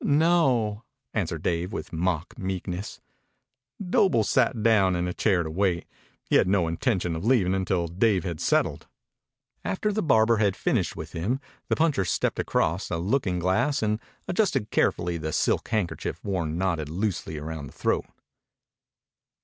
"No," answered Dave with mock meekness. Doble sat down in a chair to wait. He had no intention of leaving until Dave had settled. After the barber had finished with him the puncher stepped across to a looking glass and adjusted carefully the silk handkerchief worn knotted loosely round the throat.